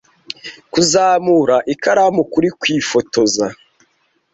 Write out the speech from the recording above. Kuzamura ikaramu kuri kwifotoza.